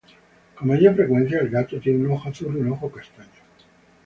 Con mayor frecuencia, el gato tiene un ojo azul y un ojo castaño.